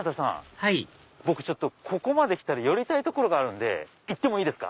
はい僕ここまで来たら寄りたい所があるんで行ってもいいですか？